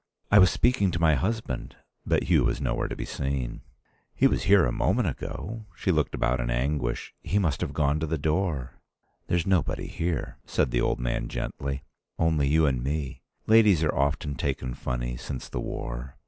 "I was speaking to my husband." But Hugh was nowhere to be seen. "He was here a moment ago." She looked about in anguish. "He must have gone to the door." "There's nobody here," said the old man gently. "Only you and me. Ladies are often taken funny since the war.